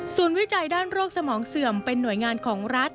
ส่วนวิจัยด้านโรคสมองเสื่อมเป็นหน่วยงานของรัฐ